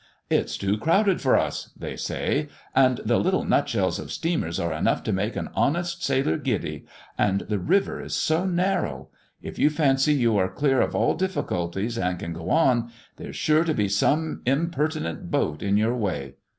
"It's too crowded for us," they say; "and the little nutshells of steamers are enough to make an honest sailor giddy; and the river is so narrow. If you fancy you are clear of all difficulties and can go on, there's sure to be some impertinent boat in your way.